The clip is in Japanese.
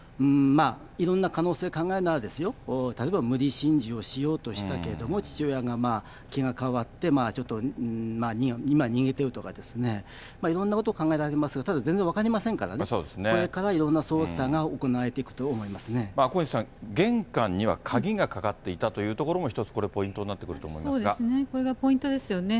いろんな可能性を考えるのなら、例えば無理心中をしようとしたけれども、父親が気が変わって、ちょっと今、逃げているとかですね、いろんなことが考えられますが、ただ全然分かりませんからね、これからいろんな捜査が行われていくと思い小西さん、玄関には鍵がかかっていたというところも１つ、これ、ポイントにそうですね、これがポイントですよね。